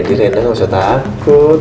jadi reina gak usah takut